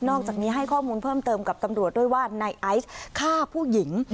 อกจากนี้ให้ข้อมูลเพิ่มเติมกับตำรวจด้วยว่านายไอซ์ฆ่าผู้หญิง